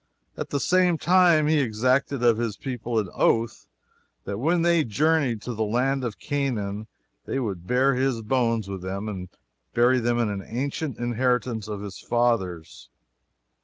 At the same time he exacted of his people an oath that when they journeyed to the land of Canaan they would bear his bones with them and bury them in the ancient inheritance of his fathers.